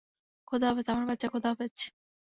খোদা হাফেজ, আমার বাচ্চা, খোদা হাফেজ!